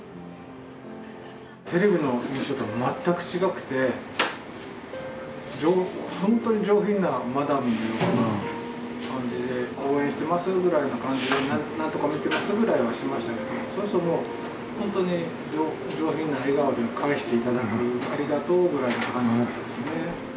テレビの印象とは全く違くって、本当に上品なマダムのような感じで、応援してますぐらいの感じで、なんとか見てますぐらいはしましたけど、そうすると、本当に上品な笑顔で返していただく、ありがとうぐらいの感じだったですね。